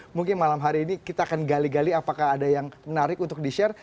mungkin malam hari ini kita akan gali gali apakah ada yang menarik untuk di share